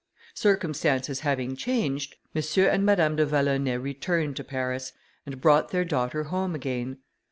Circumstances having changed, M. and Madame de Vallonay returned to Paris, and brought their daughter home again.